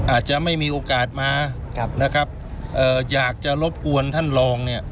อาจจะไม่มีโอกาสมานะครับเอ่ออยากจะรบกวนท่านรองเนี่ย